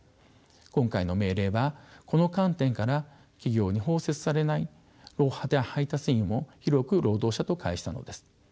今回の命令はこの観点から企業に包摂されない配達員も広く労働者と解したのです。